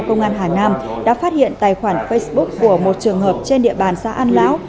công an hà nam đã phát hiện tài khoản facebook của một trường hợp trên địa bàn xã an lão